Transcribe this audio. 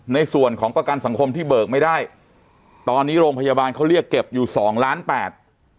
ในส่วนของประกันสังคมที่เบิกไม่ได้ตอนนี้โรงพยาบาลเขาเรียกเก็บอยู่สองล้านแปด